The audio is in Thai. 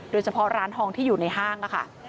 โดยเฉพาะร้านทองที่อยู่ในห้างค่ะ